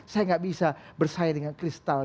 saya nggak bisa bersaing dengan kristal